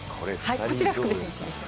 こちらは福部選手です。